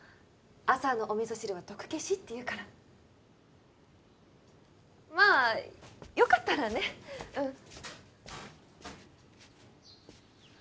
朝のお味噌汁は毒消しっていうからまあよかったらねっうん